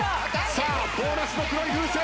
さあボーナスの黒い風船。